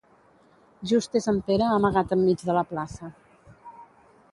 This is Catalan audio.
Just és en Pere amagat enmig de la plaça.